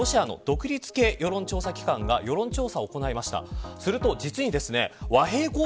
今年の３月にロシアの独立系世論調査機関が世論調査を行いました。